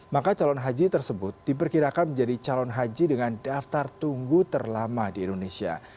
maka calon haji tersebut diperkirakan menjadi calon haji dengan daftar tunggu terlama di indonesia